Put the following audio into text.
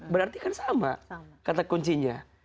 berarti kan sama kata kuncinya